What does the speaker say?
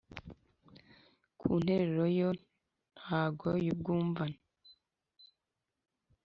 ku nteruro yo ntango y’ubwumvane